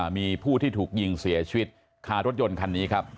มีผู้ที่ถูกยิงเสียชีวิตคารถยนต์คันนี้ครับ